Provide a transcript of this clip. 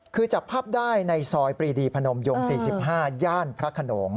คือจับภาพได้ในซอยปรีดีพนมยง๔๕ย่านพระขนง